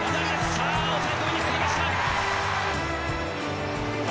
さあ抑え込みにかかりました。